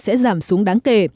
sẽ giảm xuống đáng kể